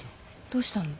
どうしたの？